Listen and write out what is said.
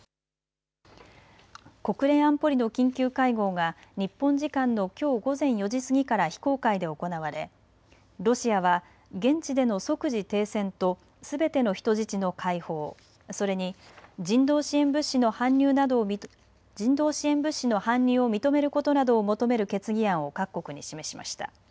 国連安保理の緊急会合が日本時間のきょう午前４時過ぎから非公開で行われロシアは現地での即時停戦とすべての人質の解放、それに人道支援物資の搬入を認めることなどを求める決議案を各国に示しました。